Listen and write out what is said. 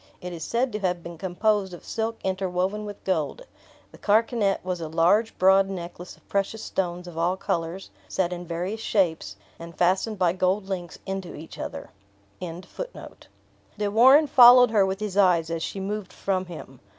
It is said to have been composed of silk interwoven with gold. The carkanet was a large broad necklace of precious stones of all colors, set in various shapes, and fastened by gold links into each other. De Warenne followed her with his eyes as she moved from him.